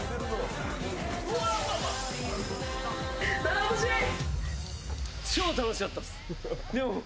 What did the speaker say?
楽しい！